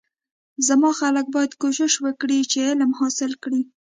زما خلک باید کوشش وکړی چی علم حاصل کړی